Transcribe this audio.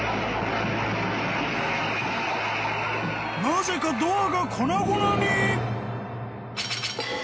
［なぜかドアが粉々に］